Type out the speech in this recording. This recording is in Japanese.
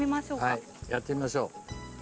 はいやってみましょう。